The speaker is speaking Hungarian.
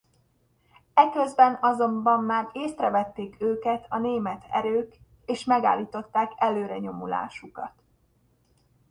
Eközben azonban már észrevették őket a német erők és megállították előrenyomulásukat.